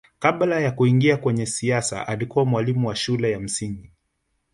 kabla ya kuingia kwenye siasa alikuwa mwalimu wa shule ya msingi